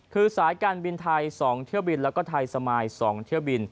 คือสายการบินไทย๒เที่ยวบินแล้วก็ไทยสมาย๒เที่ยวบิน